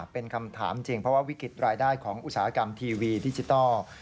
เป็นคำถามจริงเพราะว่าวิกฤตรายได้ของอุตสาหกรรมทีวีดิจิทัล